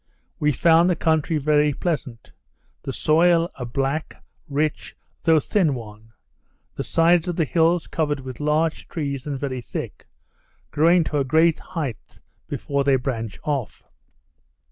We found the country very pleasant; the soil a black, rich, though thin one; the sides of the hills covered with large trees, and very thick, growing to a great height before they branch off.